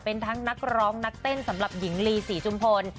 เป็นทั้งนักร้องนักเต้นสำหรับหญิงลีศรีจุมพล